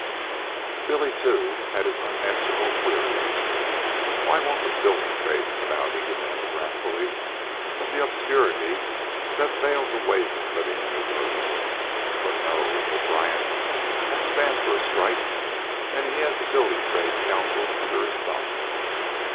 Billy, too, had his unanswerable queries. "Why won't the building trades come out?" he demanded wrathfuly of the obscurity that veiled the ways of living and the world. "But no; O'Brien won't stand for a strike, and he has the Building Trades Council under his thumb.